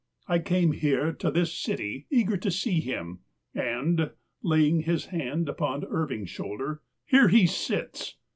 I came here to this cit\^ eager to see him, and [laying his hand upon Ir\'ing's shoulder] here he sits!